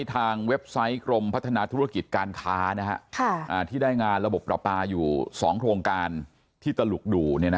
เว็บไซต์กรมพัฒนาธุรกิจการค้าที่ได้งานระบบประปาอยู่๒โครงการที่ตลุกดู